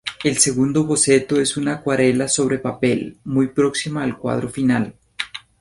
El segundo boceto es una acuarela sobre papel, muy próxima al cuadro final.